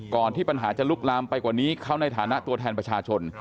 ที่ปัญหาจะลุกลามไปกว่านี้เข้าในฐานะตัวแทนประชาชน